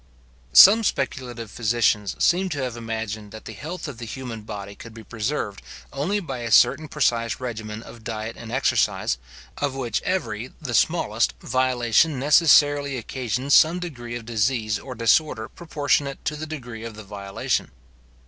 Some speculative physicians seem to have imagined that the health of the human body could be preserved only by a certain precise regimen of diet and exercise, of which every, the smallest violation, necessarily occasioned some degree of disease or disorder proportionate to the degree of the violation.